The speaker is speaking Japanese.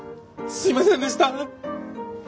すいませんでした！